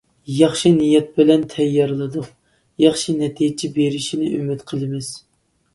ياخشى نىيەت بىلەن تەييارلىدۇق، ياخشى نەتىجە بېرىشىنى ئۈمىد قىلىمىز.